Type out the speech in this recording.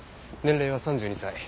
年齢は３２歳。